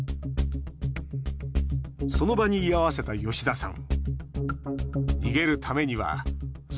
その場に居合わせた吉田さん。